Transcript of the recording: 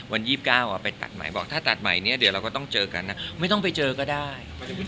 ๒๙ไปตัดใหม่บอกถ้าตัดใหม่เนี่ยเดี๋ยวเราก็ต้องเจอกันนะไม่ต้องไปเจอก็ได้